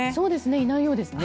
いないようですね。